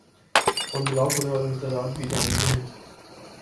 ہم ہلاک ہونے والوں کی تعداد بھی جانتے ہیں۔